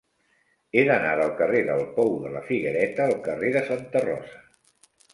He d'anar del carrer del Pou de la Figuereta al carrer de Santa Rosa.